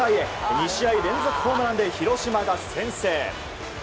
２試合連続ホームランで広島が先制。